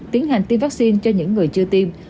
tiến hành tiêm vaccine cho những người chưa tiêm